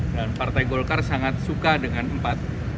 partai golkar sangat suka dengan empat